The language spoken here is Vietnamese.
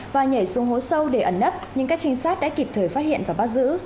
và nhảy xuống hố sâu để ẩn nấp nhưng các trinh sát đã kịp thời phát hiện và bắt giữ